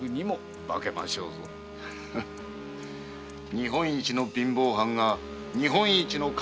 日本一の貧乏藩が日本一の金持ちに。